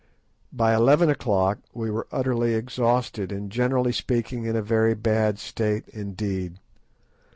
By eleven o'clock we were utterly exhausted, and, generally speaking, in a very bad state indeed.